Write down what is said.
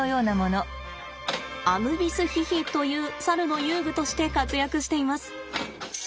アヌビスヒヒという猿の遊具として活躍しています。